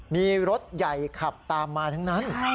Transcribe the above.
มีรถใหญ่ขับตามมาทั้งนั้น